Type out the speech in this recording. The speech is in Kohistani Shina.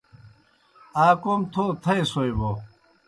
آ کوْم تھو تھائے سوئے بوْ